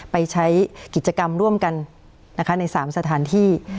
ไปใช้กิจกรรมร่วมกันในสามสถานที่